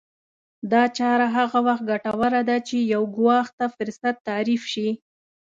دا چاره هغه وخت ګټوره ده چې يو ګواښ ته فرصت تعريف شي.